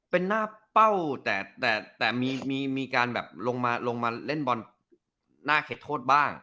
เป็นหน้าเป้าแต่มีการแบบลงมาเล่นบอลหน้าเข็ดโทษบ้าง